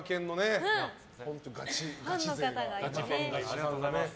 ありがとうございます。